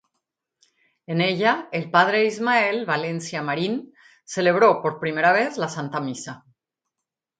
En ella el Padre Ismael Valencia Marín celebró por primera vez la santa Misa.